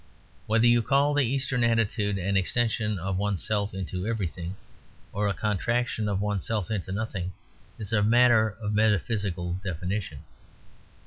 Whether you call the Eastern attitude an extension of oneself into everything or a contraction of oneself into nothing is a matter of metaphysical definition.